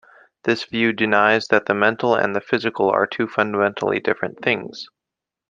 This view denies that the mental and the physical are two fundamentally different things.